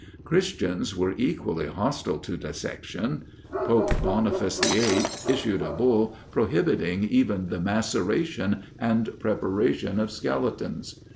Christians were equally hostile to dissection. Pope Boniface the 8th issued a bull prohibiting even the maceration and preparation of skeletons.